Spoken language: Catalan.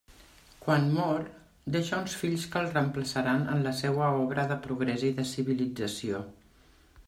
Quan mor, deixa uns fills que el reemplaçaran en la seua obra de progrés i de civilització.